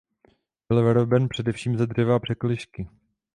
Byl vyroben především ze dřeva a překližky.